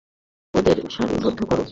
ওদেরকে সারিবদ্ধ করো!